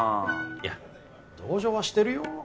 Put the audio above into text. いや同情はしてるよ。